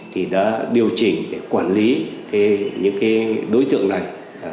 thì đã điều chỉnh để quản lý những đối tượng này